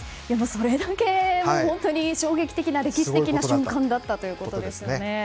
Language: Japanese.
それだけ本当に衝撃的な歴史的な瞬間だったということですよね。